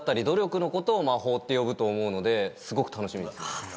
すごく楽しみです。